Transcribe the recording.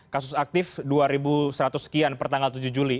kasus aktif dua seratus sekian pertanggal tujuh juli